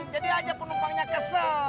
jadi aja penumpangnya kesel